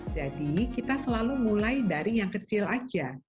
jadi kita selalu mulai dari yang kecil saja